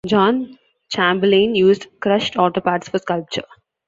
John Chamberlain used crushed auto parts for sculpture.